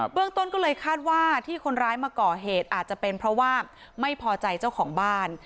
เรื่องต้นก็เลยคาดว่าที่คนร้ายมาก่อเหตุอาจจะเป็นเพราะว่าไม่พอใจเจ้าของบ้าน